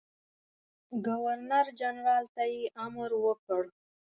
ګورنرجنرال ته یې امر وکړ.